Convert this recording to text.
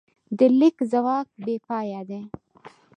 د لیک ځواک بېپایه دی.